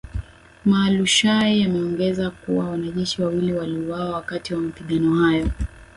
Mualushayi ameongeza kuwa wanajeshi wawili waliuawa wakati wa mapigano hayo